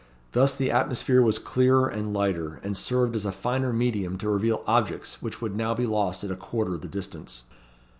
Thus the atmosphere was clearer and lighter, and served as a finer medium to reveal objects which would now be lost at a quarter the distance.